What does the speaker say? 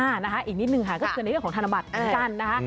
อ่าอีกนิดนูก็คือในเรื่องของธนบัติกันนะค่ะ